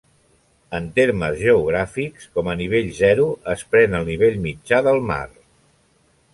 En termes geogràfics, com a nivell zero es pren el nivell mitjà del mar.